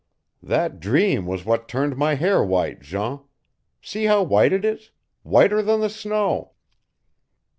"That dream was what turned my hair white, Jean. See how white it is whiter than the snow!"